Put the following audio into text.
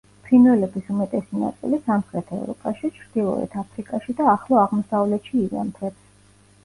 ფრინველების უმეტესი ნაწილი სამხრეთ ევროპაში, ჩრდილოეთ აფრიკაში და ახლო აღმოსავლეთში იზამთრებს.